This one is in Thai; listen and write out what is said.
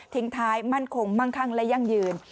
ท้ายมั่นคงมั่งคั่งและยั่งยืน